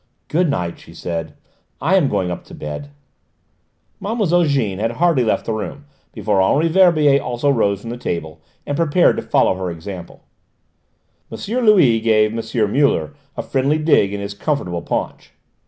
"Good night," she said. "I am going up to bed." Mlle. Jeanne had hardly left the room before Henri Verbier also rose from the table and prepared to follow her example. M. Louis gave M. Muller a friendly dig in his comfortable paunch.